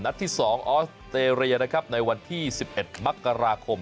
ที่๒ออสเตรเลียนะครับในวันที่๑๑มกราคม